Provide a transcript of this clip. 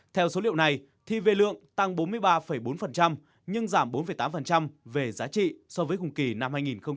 theo số liệu này thì về lượng tăng bốn mươi ba bốn nhưng giảm bốn tám về giá trị so với cùng kỳ năm hai nghìn một mươi chín